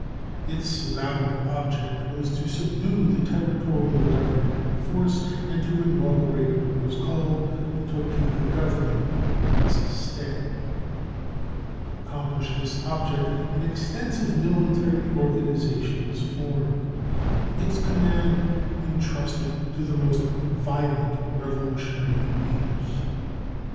Its avowed object was to subdue the Territorial government by force and to inaugurate what was called the "Topeka government" in its stead. To accomplish this object an extensive military organization was formed, and its command intrusted to the most violent revolutionary leaders.